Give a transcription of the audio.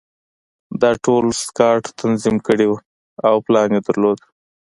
دا ټول سکاټ تنظیم کړي وو او پلان یې درلود